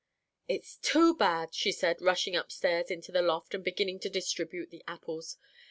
"It's too bad," she said, rushing upstairs into the loft and beginning to distribute the apples.